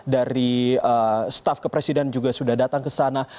dari staf ke presiden juga sudah datang ke sana